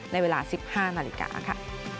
ในเวลา๑๕นาฬิกาค่ะ